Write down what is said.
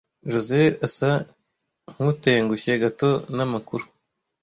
Josehl asa nkutengushye gato namakuru.